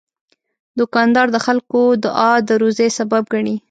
دوکاندار د خلکو دعا د روزي سبب ګڼي.